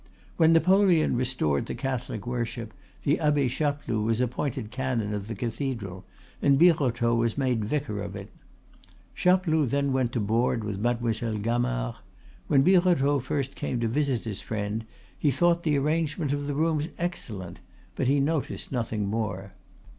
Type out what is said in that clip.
When Napoleon restored the Catholic worship the Abbe Chapeloud was appointed canon of the cathedral and Birotteau was made vicar of it. Chapeloud then went to board with Mademoiselle Gamard. When Birotteau first came to visit his friend, he thought the arrangement of the rooms excellent, but he noticed nothing more.